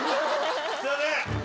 すいません。